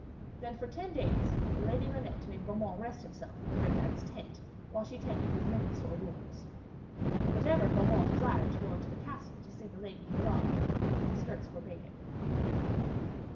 Then for ten days the Lady Linet made Beaumains rest him in the Red Knight's tent, while she tended his many sore wounds. But ever Beaumains desired to go into the castle to see the lady he loved, but his hurts forbade him.